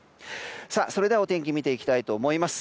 それでは、お天気見ていきたいと思います。